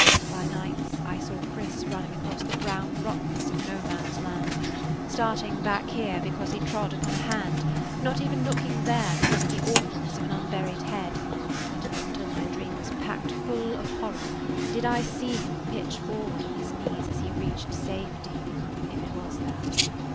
By nights I saw Chris running across the brown rottenness of No Man's Land, starting back here because [Page 8] he trod upon a hand, not even looking there because of the awfulness of an unburied head, and not till my dream was packed full of horror did I see him pitch forward on his knees as he reached safety, if it was that.